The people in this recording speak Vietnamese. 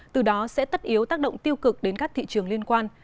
từ đó sẽ tất yếu tác động tiêu cực đến các thị trường liên quan